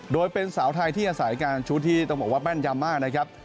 โดยเป็นสาวไทยที่อาศัยการชุดที่ต้องบอกว่าแม่นยำมากนะครับ